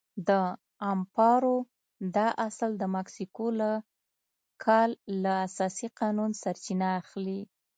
د امپارو دا اصل د مکسیکو له کال له اساسي قانون سرچینه اخلي.